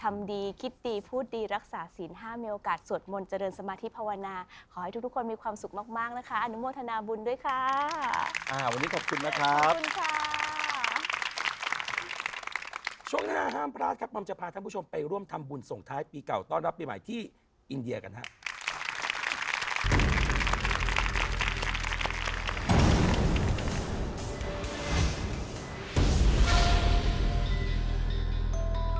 มันจะพาท่านผู้ชมไปร่วมทำบุญส่งท้ายปีเก่าต้อนรับปีใหม่ที่อินเดียกันครับ